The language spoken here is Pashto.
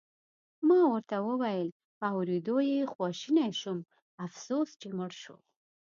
ما ورته وویل: په اورېدو یې خواشینی شوم، افسوس چې مړ شو.